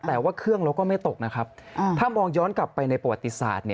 แต่ว่าเครื่องเราก็ไม่ตกนะครับถ้ามองย้อนกลับไปในประวัติศาสตร์